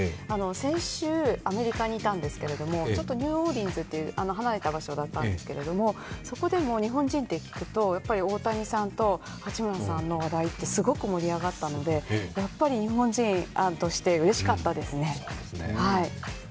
先週、アメリカにいたんですけれどもちょっとニューオーリンズという離れた場所だったんですけどそこでも日本人って聞くと大谷さんと八村さんの話題ってすごく盛り上がったので、やっぱり日本人としてうれしかったですね。